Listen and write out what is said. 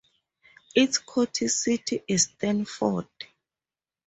Its county seat is Stanford.